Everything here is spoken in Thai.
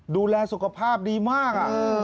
ดูแลสุขภาพดีมาก